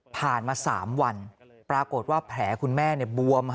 ผ่านมา๓วันปรากฏว่าแผลคุณแม่บวม